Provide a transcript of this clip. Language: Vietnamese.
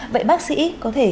vậy bác sĩ có thể